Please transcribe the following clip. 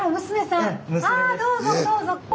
あどうぞどうぞ。